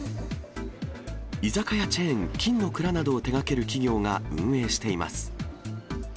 居酒屋チェーン、金の蔵などを手がける企業が運営しています。